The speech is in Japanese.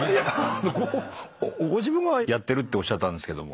ご自分が「やってる」っておっしゃったんですけども。